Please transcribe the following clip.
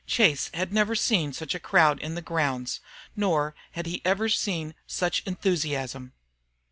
Chase had never seen such a crowd in the grounds. Nor had he ever seen such enthusiasm.